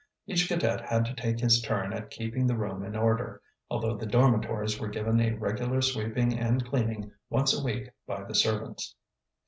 Each cadet had to take his turn at keeping the room in order, although the dormitories were given a regular sweeping and cleaning once a week by the servants.